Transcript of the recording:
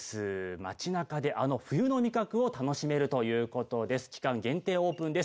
街なかであの冬の味覚を楽しめるということです期間限定オープンです